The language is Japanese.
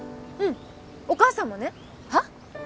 うんお母さんもねはっ？